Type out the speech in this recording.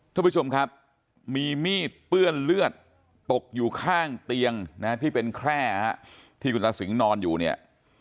ท่านผู้ชมครับมีมีดเปื้อนเลือดตกอยู่ข้างเตียงนะที่เป็นแคร่ฮะที่คุณตาสิงห์นอนอยู่เนี่ย